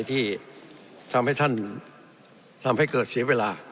ที่ทำให้ท่านทำให้เกิดเสียเวลา